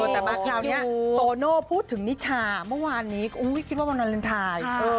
แต่มาคราวนี้โตโน่พูดถึงนิชาเมื่อวานนี้ก็คิดว่าวันวาเลนไทย